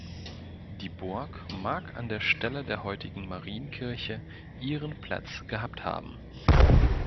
Die „Burg“ mag an der Stelle der heutigen Marienkirche ihren Platz gehabt haben.